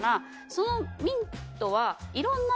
そのミントは。